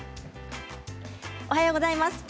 おはようございます。